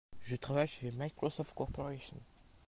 Je travaille chez Microsoft Corporation.